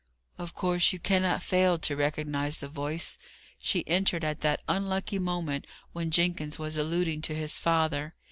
Of course you cannot fail to recognize the voice. She entered at that unlucky moment when Jenkins was alluding to his father.